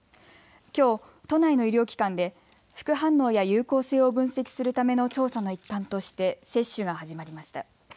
きょう都内の医療機関で副反応や有効性を分析するための調査の一環として接種が始まりました。